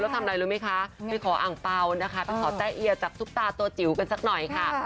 ไปขออ่างเปล่านะคะไปขอแตะเอียดจากซุปตาตัวจิ๋วกันสักหน่อยค่ะ